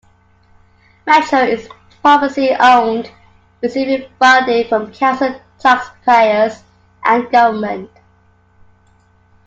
Metro is publicly owned, receiving funding from council tax payers and government.